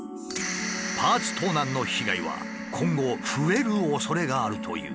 パーツ盗難の被害は今後増えるおそれがあるという。